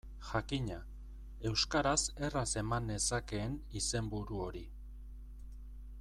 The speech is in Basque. Jakina, euskaraz erraz eman nezakeen izenburu hori.